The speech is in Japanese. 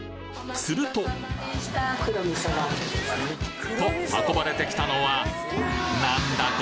するとと運ばれてきたのはなんだ！？